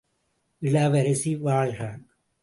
இளவரசி வாழ்க!